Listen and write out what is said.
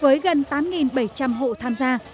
với gần tám bảy trăm linh hộ tham gia